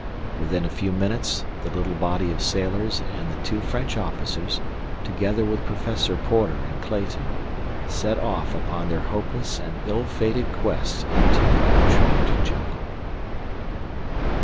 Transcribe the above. Within a few minutes the little body of sailors and the two French officers, together with Professor Porter and Clayton, set off upon their hopeless and ill fated quest into the untracked jungle.